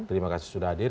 terima kasih sudah hadir